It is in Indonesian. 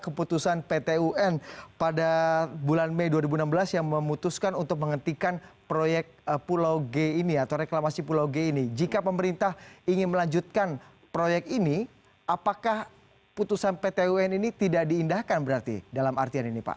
pemerintah yang menyebutkan reklamasi pulau g ini jika pemerintah ingin melanjutkan proyek ini apakah putusan pt un ini tidak diindahkan berarti dalam artian ini pak